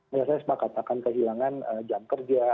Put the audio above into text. saya sempat katakan kehilangan jam kerja